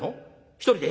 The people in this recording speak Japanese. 一人で？